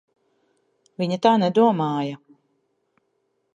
Viņa tā nedomāja.